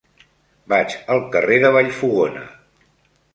Vaig al carrer de Vallfogona.